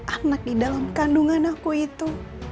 anak di dalam kandungan aku itu